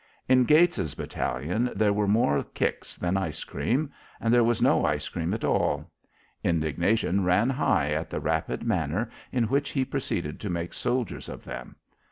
In Gates's battalion there were more kicks than ice cream, and there was no ice cream at all. Indignation ran high at the rapid manner in which he proceeded to make soldiers of them.